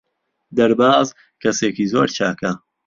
دەرباز کەسێکی زۆر چاکە.